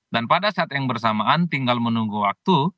dan pada saat yang bersamaan tinggal menunggu waktu